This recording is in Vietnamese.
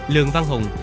lường văn hùng